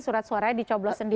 surat suaranya dicoblos sendiri